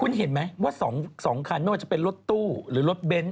คุณเห็นไหมว่า๒คันไม่ว่าจะเป็นรถตู้หรือรถเบนท